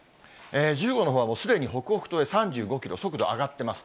１０号のほうはすでに北北東へ３５キロ、速度上がってます。